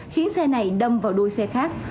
khiến xe này đâm vào đuôi xe khác